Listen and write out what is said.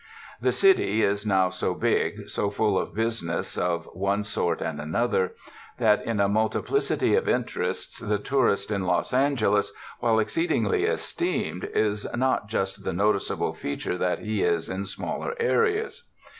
The city is now so big, so full of business of one sort and another that in a multiplicity of interests the 203 UNDER THE SKY IN CALIFORNIA tourist in Los Angeles, wliile exceedingly esteemed, is not just the noticeable feature that he is in smaller places.